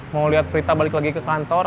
mau lihat prita balik lagi ke kantor